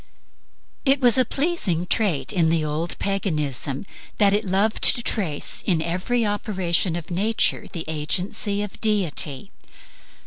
It was a pleasing trait in the old Paganism that it loved to trace in every operation of nature the agency of deity.